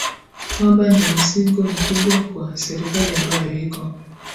kwamba ni mzigo mkubwa kwa serikali ambayo iko